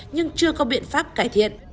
nhưng chưa có biện pháp cải thiện